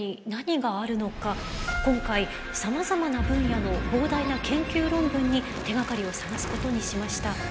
今回さまざまな分野の膨大な研究論文に手がかりを探すことにしました。